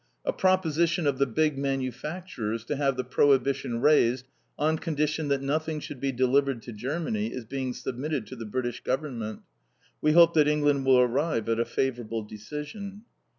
"A proposition of the big manufacturers to have the prohibition raised on condition that nothing should be delivered to Germany is being submitted to the British Government. We hope that England will arrive at a favourable decision."